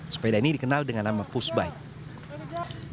sepeda ini dikenal dengan nama pushbike